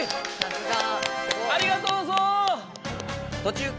ありがとうゾウ！